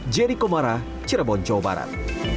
jericho mara cirebon jawa barat